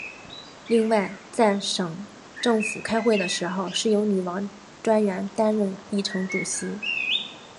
另外在省政府开会的时候是由女王专员担任议程主席。